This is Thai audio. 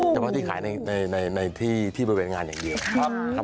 เฉพาะที่ขายในที่บริเวณงานอย่างเดียว